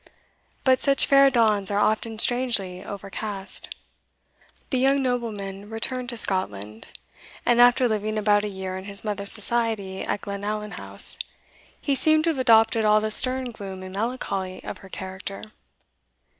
But such fair dawns are often strangely overcast. The young nobleman returned to Scotland, and after living about a year in his mother's society at Glenallan House, he seemed to have adopted all the stern gloom and melancholy of her character.